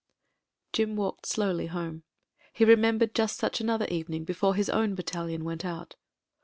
Jim walked slowly home. He remembered just such another evening before his own battalion went out.